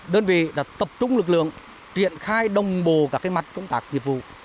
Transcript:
đơn vị đã tập trung lực lượng triển khai đồng bộ các mặt công tác nhiệm vụ